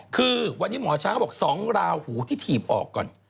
คือวันนี้หมอช้างเขาบอก๒ราหูที่ถีบออกก่อน